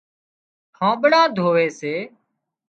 ٺانٻڙان ڌووي سي